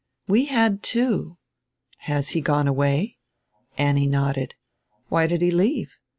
"We had, too." "Has he gone away?" Annie nodded. "Why did he leave?"